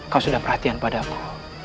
kau sudah perhatian padaku